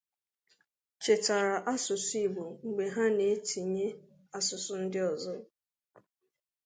chetara asụsụ Igbo mgbe ha na-etinye asụsụ ndị ọzọ